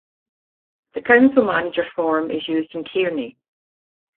The council-manager form is used in Kearney.